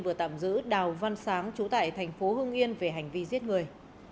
vừa tạm giữ đào văn sáng trú tại thành phố hưng yên về hành vi giết người